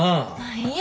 いえ。